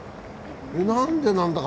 なんでなんだか